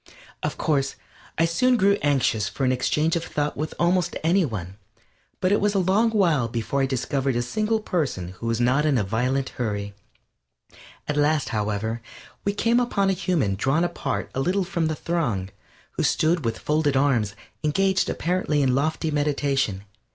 Of course, I soon grew anxious for an exchange of thought with almost any one, but it was a long while before I discovered a single person who was not in a violent hurry. At last, however, we came upon a human drawn apart a little from the throng, who stood with folded arms, engaged apparently in lofty meditation.